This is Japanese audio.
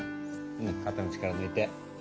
うん肩の力ぬいて。